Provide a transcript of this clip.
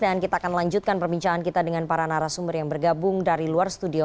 dan kita akan lanjutkan perbincangan kita dengan para narasumber yang bergabung dari luar studio